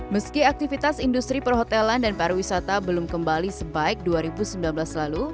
meski aktivitas industri perhotelan dan pariwisata belum kembali sebaik dua ribu sembilan belas lalu